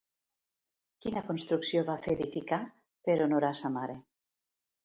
Quina construcció va fer edificar per honorar sa mare?